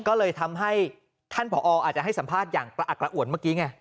ก็เลยทำให้ท่านผออาจจะให้สัมภาษณ์อย่างกระอักกระอ่วนเมื่อกี้ไง